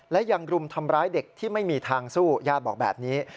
และยังรุมทำร้ายเด็กที่ไม่มีทางสู้ญาติบอกแบบนี้